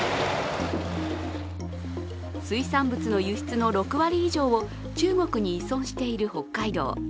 水産物の輸出の６割以上を中国に依存している北海道。